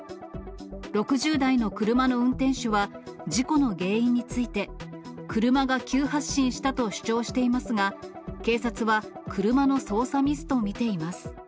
６０代の車の運転手は、事故の原因について、車が急発進したと主張していますが、警察は車の操作ミスと見ています。